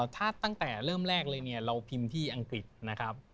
ถ้าตั้งแต่เริ่มแรกเลยเนี่ยเราพิมพ์ที่อังกฤษนะครับ